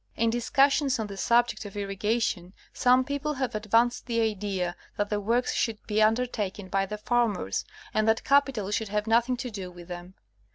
In discussions on the subject of irrigation some people have advanced the idea that the works should be undertaken by the farmers, and that capital should have nothing to do with them.